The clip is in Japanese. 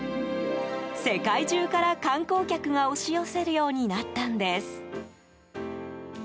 世界中から観光客が押し寄せるようになったんです。